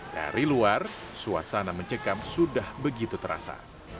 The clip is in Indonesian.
dari luar suasana mencekam sudah begitu terasa